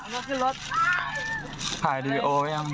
ขอรถทิ้งรถไอดิโอไหมยัง